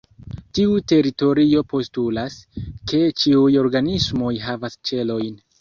Tiu teorio postulas, ke ĉiuj organismoj havas ĉelojn.